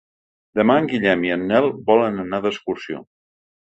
Demà en Guillem i en Nel volen anar d'excursió.